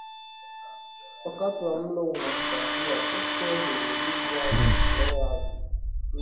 Wakati wa mlo unaofuatia kupe huingiza vimelea hivyo vya ndigana kali kwa mnyama mwingine